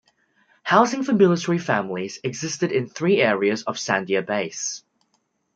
Housing for military families existed in three areas of Sandia Base.